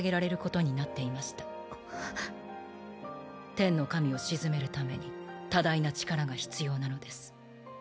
天の神を鎮めるために多大な力が必要なのです。